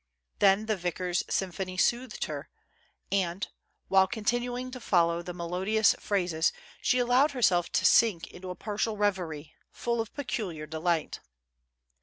Then, the vicar's symphony soothed her, and, while continuing to follow the melodi ous phrases, she allowed herself to sink into a partial reverie, full of peculiar delight.